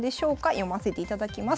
読ませていただきます。